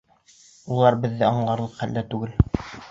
Улар беҙҙе аңларлыҡ хәлдә түгел.